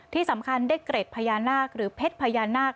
ที่สำคัญได้เกร็ดพญานาคหรือเพชรพญานาค